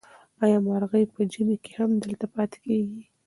آیا مرغۍ په ژمي کې هم دلته پاتې کېږي؟